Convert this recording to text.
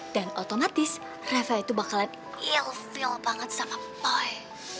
dan otomatis rafa itu bakalan ill feel banget sama boy